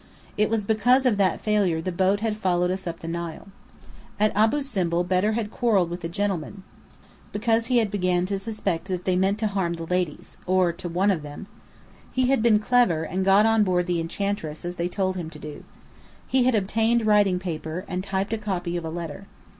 It was because of that failure the boat had followed us up the Nile. At Abu Simbel Bedr had quarrelled with the gentlemen, because he began to suspect they meant harm to the ladies, or to one of them. He had been clever, and got on board the Enchantress as they told him to do. He had obtained writing paper, and typed a copy of a letter.